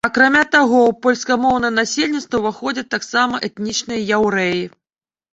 Акрамя таго, у польскамоўнае насельніцтва ўваходзяць таксама этнічныя яўрэі.